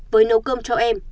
với nấu cơm cho em